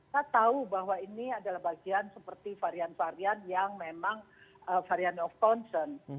saya tahu bahwa ini adalah bagian seperti varian varian yang memang varian of concern